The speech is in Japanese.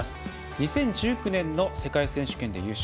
２０１９年の世界選手権で優勝。